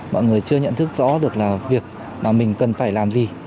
mọi người chưa nhận thức rõ được là việc mà mình cần phải làm gì